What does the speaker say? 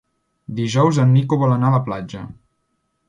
Dijous en Nico vol anar a la platja.